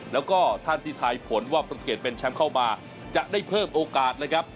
แล้วก็ท่านที่ทายผลว่าประเกียจเป็นแชมป์เข้ามาจะได้เพิ่มโอกาสเลยครับ